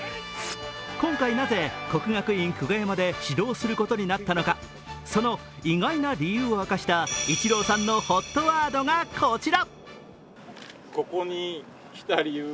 今回、なぜ国学院久我山で指導することになったのかその意外な理由を明かしたイチローさんのＨＯＴワードがこちら。